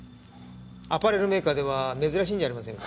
アパレルメーカーでは珍しいんじゃありませんか？